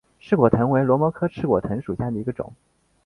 翅果藤为萝藦科翅果藤属下的一个种。